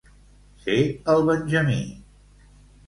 Ser el benjamí.